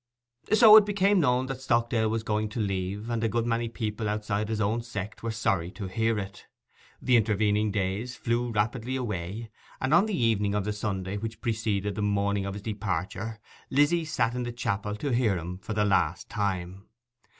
It became known that Stockdale was going to leave, and a good many people outside his own sect were sorry to hear it. The intervening days flew rapidly away, and on the evening of the Sunday which preceded the morning of his departure Lizzy sat in the chapel to hear him for the last time.